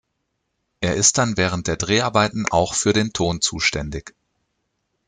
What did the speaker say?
Er ist dann während der Dreharbeiten auch für den Ton zuständig.